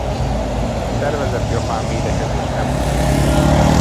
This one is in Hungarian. Szervezett japán védekezés nem volt.